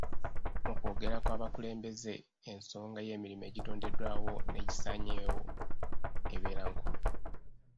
Mu kwogera kw'abakulembeze ensonga y'emirimu egitondeddwawo n'egisaanyeewo ebeera nkulu.